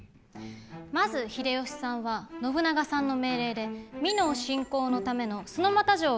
まず秀吉さんは信長さんの命令で美濃侵攻のための墨俣城を築き上げます。